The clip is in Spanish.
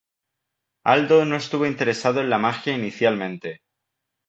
Aldo no estuvo interesado en la magia inicialmente.